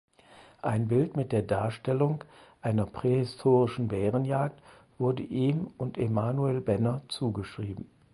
Ein Bild mit der Darstellung einer prähistorischen Bärenjagd wurde ihm und Emmanuel Benner zugeschrieben.